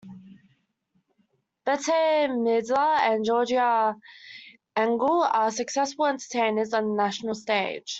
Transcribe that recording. Bette Midler and Georgia Engel are successful entertainers on the national stage.